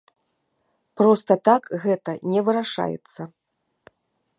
Проста так гэта не вырашаецца.